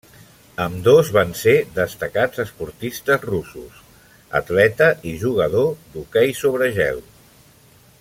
Ambdós van ser destacats esportistes russos, atleta i jugador d'hoquei sobre gel.